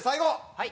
はい。